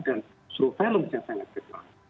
dan surveillance yang sangat kecil